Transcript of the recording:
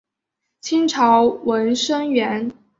清朝文生员。